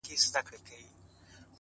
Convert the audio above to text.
د باد حرکت د پردې شکل بدلوي.!